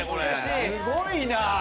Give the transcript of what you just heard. すごいなあ！